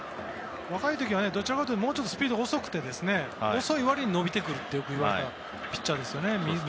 若い時はどちらかというとスピードが遅くて遅い割に伸びてくるといわれたピッチャーですよね。